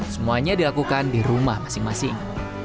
semuanya dilakukan di rumah masing masing